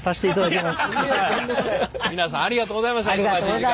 皆さんありがとうございましたお忙しい時間。